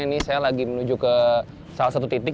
ini saya lagi menuju ke salah satu titik